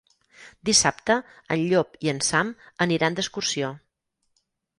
Dissabte en Llop i en Sam aniran d'excursió.